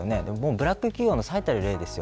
ブラック企業の最たる例です。